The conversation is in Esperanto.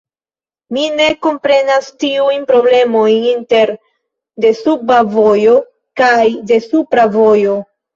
Mi ne komprenas tiujn problemojn inter desuba vojo kaj desupra vojo?